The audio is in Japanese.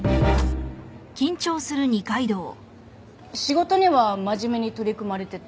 仕事には真面目に取り組まれてて。